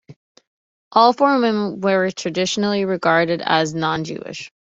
All four women were traditionally regarded as non-Jewish.